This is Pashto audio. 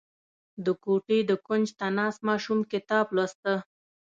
• د کوټې د کونج ته ناست ماشوم کتاب لوسته.